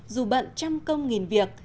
dù bận trăm công nghìn việc